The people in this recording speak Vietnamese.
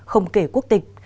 không kể quốc tịch